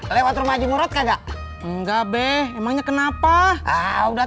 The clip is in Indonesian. lewat rumah jum'at enggak enggak be emangnya kenapa ah udah